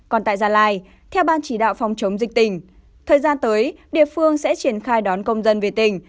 còn tại gia lai theo ban chỉ đạo phòng chống dịch tỉnh thời gian tới địa phương sẽ triển khai đón công dân về tỉnh